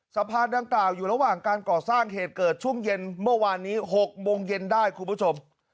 สะพานดังกล่าวอยู่ระหว่างการก่อสร้างเหตุเกิดช่วงเย็นเมื่อวานนี้๖โมงเย็นได้คุณผู้ชม